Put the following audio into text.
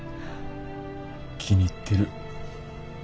気に入ってる。